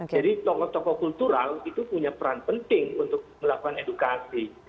jadi tokoh tokoh kultural itu punya peran penting untuk melakukan edukasi